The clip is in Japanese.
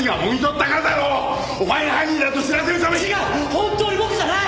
本当に僕じゃない！